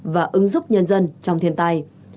và ứng giúp nhân dân trong thiên tai